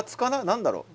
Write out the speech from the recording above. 何だろう。